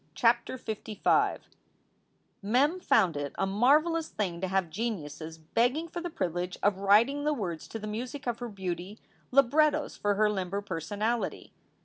CHAPTER LV MEM found it a marvelous thing to have geniuses begging for the privilege of writing the words to the music of her beauty, librettos for her limber personality.